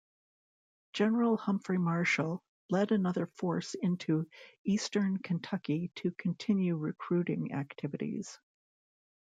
General Humphrey Marshall led another force into Eastern Kentucky to continue recruiting activities.